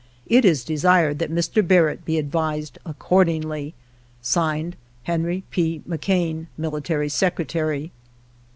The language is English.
It is desired that Mr. Barrett be advised accordingly. (Signed) Henry P. McCain, Military Secretary.